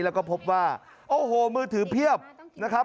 แล้วก็พบว่าโอ้โหมือถือเพียบนะครับ